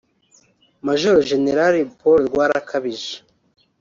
Maj Gen Paul Rwarakabije